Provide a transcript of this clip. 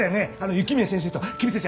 雪宮先生と君たち